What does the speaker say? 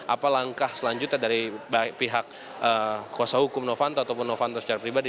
apa langkah selanjutnya dari pihak kuasa hukum novanto ataupun novanto secara pribadi